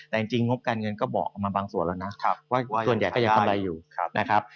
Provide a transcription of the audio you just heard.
แต่จริงงบการเงินก็บอกออกมาบางส่วนแล้วนะว่าส่วนใหญ่ก็ยังกำไรอยู่นะครับ